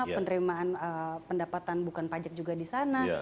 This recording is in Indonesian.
penerimaan pendapatan bukan pajak juga di sana